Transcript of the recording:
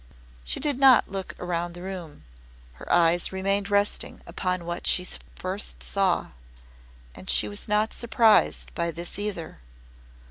She did not look round the room. Her eyes remained resting upon what she first saw and she was not surprised by this either.